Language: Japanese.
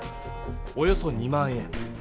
およそ２万円。